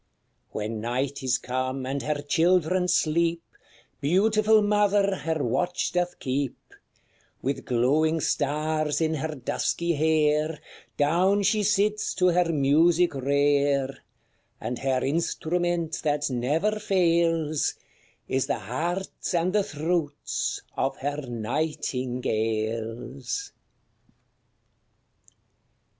When night is come, and her children sleep, Beautiful mother her watch doth keep; With glowing stars in her dusky hair Down she sits to her music rare; And her instrument that never fails, Is the hearts and the throats of her nightingales.